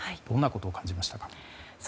どんなことを感じましたか？